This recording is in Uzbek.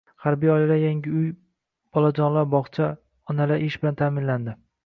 Harbiy oilalar yangi uy, bolajonlar bog‘cha, onalar ish bilan ta’minlandi